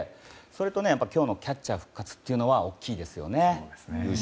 それとね、今日のキャッチャーの復活というのは大きいですね。